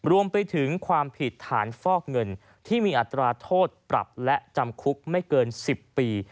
รวมไปถึงความผิดฐานฟอกเงินที่มีอัตราโทษปรับและจำคุกไม่เกิน๑๐ปี